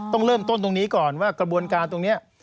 ต้องเริ่มต้นตรงนี้ก่อนว่ากระบวนการตรงนี้